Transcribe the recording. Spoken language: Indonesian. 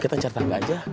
kita ancar tangga aja